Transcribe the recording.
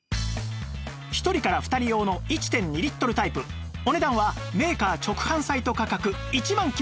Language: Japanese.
１人から２人用の １．２ リットルタイプお値段はメーカー直販サイト価格１万９８００円のところ